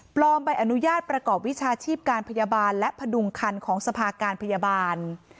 ใบอนุญาตประกอบวิชาชีพการพยาบาลและพดุงคันของสภาการพยาบาล